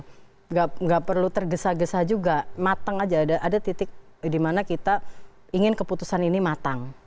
tidak perlu tergesa gesa juga matang aja ada titik dimana kita ingin keputusan ini matang